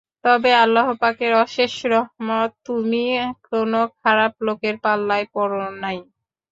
তবে আল্লাহপাকের অশেষ রহমত, তুমি কোনো খারাপ লোকের পাল্লায় পড়ো নাই।